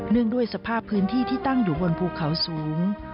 ด้วยสภาพพื้นที่ที่ตั้งอยู่บนภูเขาสูง